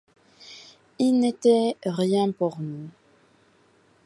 Ils n'étaient rien pour nous.